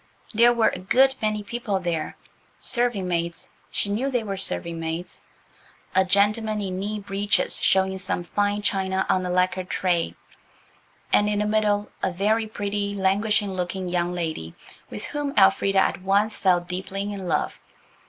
There were a good many people there: serving maids–she knew they were serving maids–a gentleman in knee breeches showing some fine china on a lacquered tray, and in the middle a very pretty, languishing looking young lady with whom Elfrida at once fell deeply in love.